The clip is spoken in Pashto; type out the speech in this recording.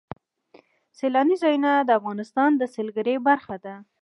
سیلانی ځایونه د افغانستان د سیلګرۍ برخه ده.